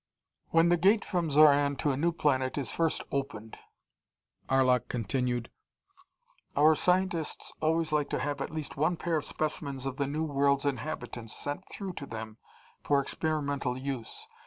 "When the Gate from Xoran to a new planet is first opened," Arlok continued, "our scientists always like to have at least one pair of specimens of the new world's inhabitants sent through to them for experimental use.